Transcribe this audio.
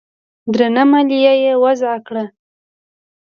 درنه مالیه یې وضعه کړه